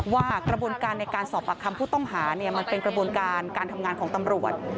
ว่ากระบวนการในการสอบปากคำผู้ต้องหามันเป็นกระบวนการการทำงานของตำรวจ